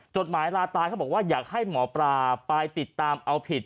จดหมายลาตายเขาบอกว่าอยากให้หมอปลาไปติดตามเอาผิด